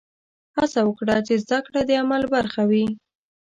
هڅه وکړه چې زده کړه د عمل برخه وي.